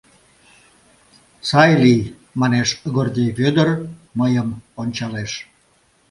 — Сай лий, — манеш Гордей Вӧдыр, мыйым ончалеш.